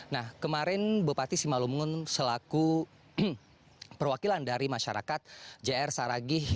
nah kemarin bupati simalungun selaku perwakilan dari masyarakat jr saragih